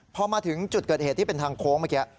พอมาถึงจุดเกิดเหตุที่เป็นทางโค้งเมื่อกี้